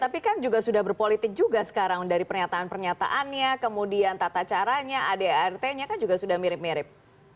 tapi kan juga sudah berpolitik juga sekarang dari pernyataan pernyataannya kemudian tata caranya adart nya kan juga sudah mirip mirip